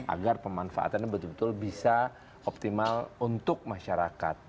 agar pemanfaatannya betul betul bisa optimal untuk masyarakat